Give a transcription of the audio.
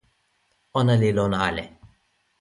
ona li lon ale.